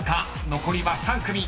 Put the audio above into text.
残りは３組］